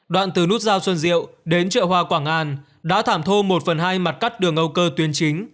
đoạn từ nút giao xuân diệu đến chợ hoa quảng an đã thảm thô một phần hai mặt cắt đường âu cơ tuyến chính